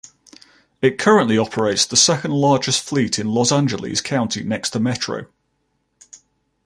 It currently operates the second-largest fleet in Los Angeles County next to Metro.